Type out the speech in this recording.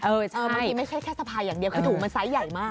เมื่อกี้ไม่ใช่แค่สะพายอย่างเดียวคือถุงมันไซส์ใหญ่มาก